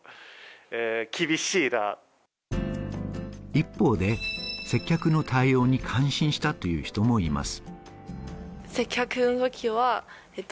一方で接客の対応に感心したという人もいます。